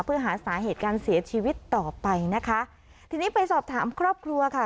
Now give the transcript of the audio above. เพื่อหาสาเหตุการเสียชีวิตต่อไปนะคะทีนี้ไปสอบถามครอบครัวค่ะ